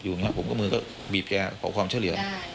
อยู่อย่างนี้ครับผมมือก็บีบแยกของความเฉลี่ย